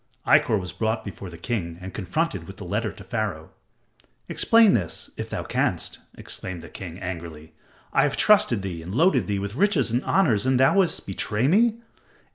Ikkor was brought before the king and confronted with the letter to Pharaoh. "Explain this, if thou canst," exclaimed the king, angrily. "I have trusted thee and loaded thee with riches and honors and thou wouldst betray me.